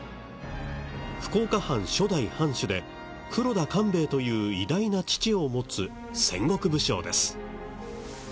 福岡藩初代藩主で黒田官兵衛という偉大な父を持つ戦国武将です。